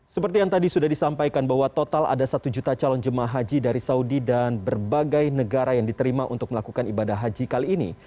seperti yang tadi sudah disampaikan bahwa total ada satu juta calon jemaah haji dari saudi dan berbagai negara yang diterima untuk melakukan ibadah haji kali ini